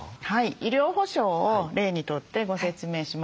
医療保障を例にとってご説明しますね。